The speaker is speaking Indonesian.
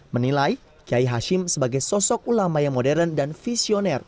menilai kiai hashim sebagai sosok ulama yang modern dan visioner